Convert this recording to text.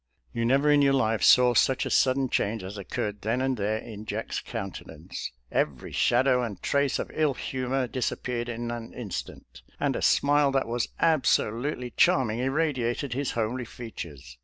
You never in your life saw such a sudden change as occurred then and there in Jack's countenance. Every shadow and trace of ill humor disappeared in an instant, and a smile that was absolutely charming irradiated his homely features.